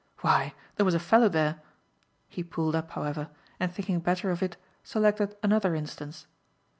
Why, there was a fellow there " He pulled up, however, and, thinking better of it, selected another instance.